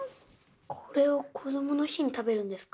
これをこどもの日に食べるんですか？